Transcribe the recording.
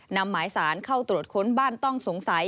นำหมายสารเข้าตรวจค้นบ้านต้องสงสัย